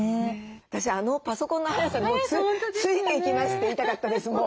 私あのパソコンの速さに「ついていきます」って言いたかったですもう。